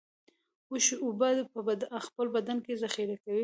اوښ اوبه په خپل بدن کې ذخیره کوي